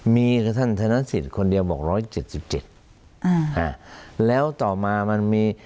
มีแต่ท่านธนสิทธิ์คนเดียวบอกร้อยเจ็ดสิบเจ็ดอ่าอ่าแล้วต่อมามันมี